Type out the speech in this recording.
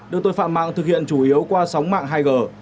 được tội phạm mạng thực hiện chủ yếu qua sóng mạng hai g